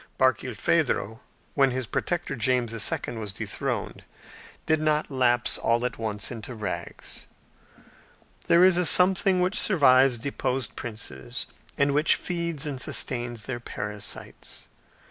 Barkilphedro, when his protector, James II., was dethroned, did not lapse all at once into rags. There is a something which survives deposed princes, and which feeds and sustains their parasites.